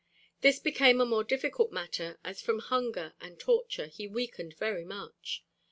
This became a more difficult matter as from hunger and torture he weakened very much.